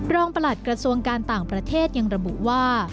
ประหลัดกระทรวงการต่างประเทศยังระบุว่า